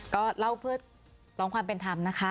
ก็เล่าเพื่อร้องความเป็นธรรมนะคะ